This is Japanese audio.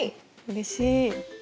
うれしい。